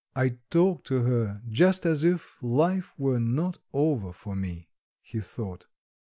"I talk to her just as if life were not over for me," he thought.